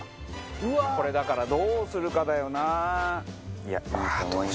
これだからどうするかだよな。